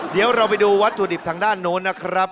เดี๋ยวเราไปดูวัตถุดิบทางด้านโน้นนะครับ